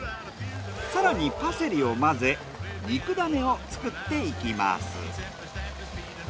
更にパセリを混ぜ肉だねを作っていきます。